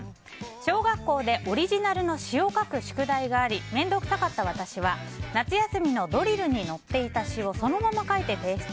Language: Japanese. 小学校でオリジナルの詩を書く宿題があり面倒くさかった私は夏休みのドリルに載っていた詩をそのまま書いて提出。